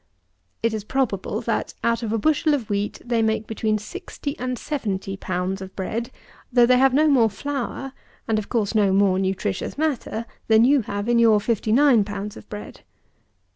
It is probable, that, out of a bushel of wheat, they make between sixty and seventy pounds of bread, though they have no more flour, and, of course, no more nutritious matter, than you have in your fifty nine pounds of bread.